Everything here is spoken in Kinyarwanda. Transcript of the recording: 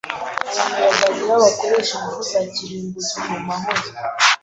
Abantu bazageraho bakoreshe ingufu za kirimbuzi mumahoro.